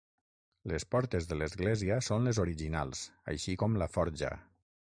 Les portes de l'església són les originals, així com la forja.